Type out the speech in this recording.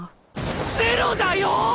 ゼロだよ‼